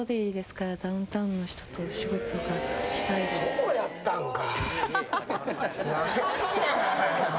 そうやったんか。